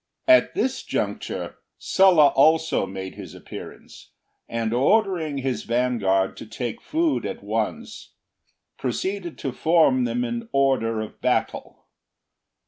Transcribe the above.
At this juncture, Sulla also made his appearance, and ordering his vanguard to take food at once, proceeded to form them in order of battle.